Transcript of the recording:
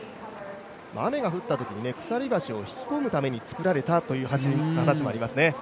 雨が降ったときに鎖橋を引き込むために作られたという話もありますね。